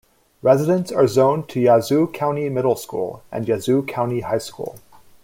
Residents are zoned to Yazoo County Middle School and Yazoo County High School.